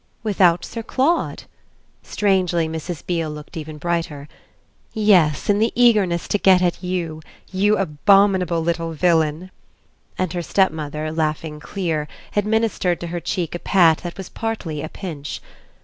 "Without Sir Claude?" Strangely, Mrs. Beale looked even brighter. "Yes; in the eagerness to get at you. You abominable little villain!" and her stepmother, laughing clear, administered to her cheek a pat that was partly a pinch.